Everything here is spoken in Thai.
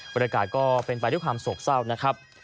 ก็เป็นไปด้วยความโศกเศร้านะครับ